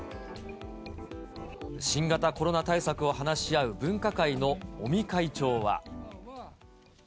新型コロナ対策を話し合う分科会の尾身会長は。